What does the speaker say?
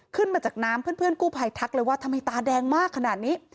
ขึ้นมาจากน้ำเพื่อนกู้ภัยทักเลยว่าทำไมตาแดงมากขนาดนี้